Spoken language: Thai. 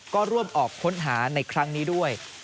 ก็ร่วมออกค้นหาในครั้งนี้ด้วย